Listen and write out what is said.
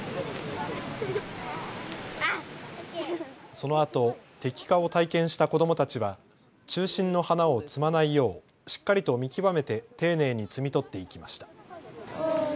そのあと摘花を体験した子どもたちは中心の花を摘まないようしっかりと見極めて丁寧に摘み取っていきました。